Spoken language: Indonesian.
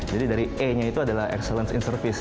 jadi dari e nya itu adalah excellence in service